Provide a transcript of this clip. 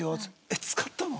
えっ使ったの？